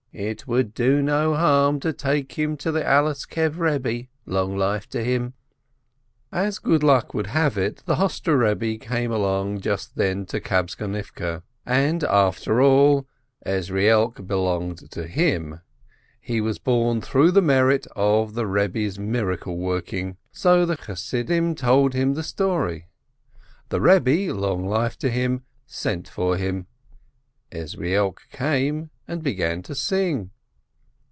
It would do no harm to take him to the Aleskev Rebbe, long life to him/' As good luck would have it, the Hostre Rebbe came along just then to Kabtzonivke, and, after all, Ezrielk belonged to him, he was born through the merit of the Rebbe's miracle working! So the Chassidim told him the story. The Rebbe, long life to him, sent for him. Ezrielk came and began to sing.